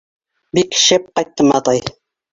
— Бик шәп ҡайттым, атай.